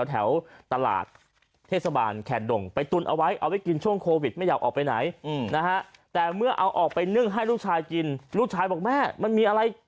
แถวตลาดเทศบาลแค่นดงไปตุ้นเอาไว้